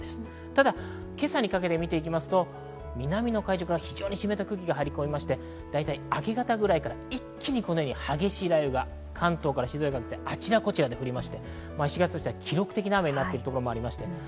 ただ、今朝にかけて見ていきますと、南の海上から非常に湿った空気が入り込みまして、大体明け方ぐらいから一気に激しい雷雨が関東から静岡まであちらこちらで降りまして、記録的な雨になっているところもあります。